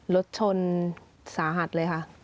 รถชนสาหัสเลยค่ะ